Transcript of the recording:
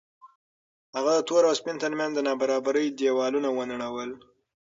هغه د تور او سپین تر منځ د نابرابرۍ دېوالونه ونړول.